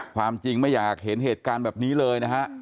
ความจริงไม่อยากเห็นเหตุการณ์แบบนี้เลยนะฮะ